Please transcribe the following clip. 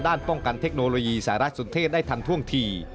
ป้องกันเทคโนโลยีสารสนเทศได้ทันท่วงที